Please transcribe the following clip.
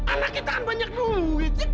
anaknya tahan banyak duit